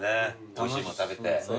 おいしいもん食べて。